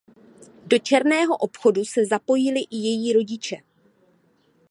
Do černého obchodu se zapojili i její rodiče.